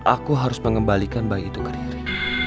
aku harus mengembalikan bayi itu ke diri